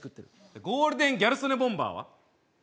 ゴールデンギャル曽根ボンバーは？